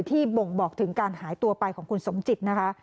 บ่งบอกถึงการหายตัวไปของคุณสมจิตนะคะ